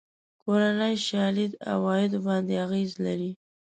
کورنۍ شالید عوایدو باندې اغېز لري.